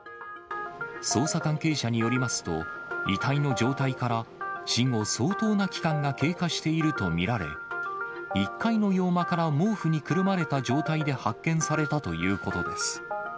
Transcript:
捜査関係者によりますと、遺体の状態から、死後、相当な期間が経過していると見られ、１階の洋間から毛布にくるまれた状態で発見されたということです。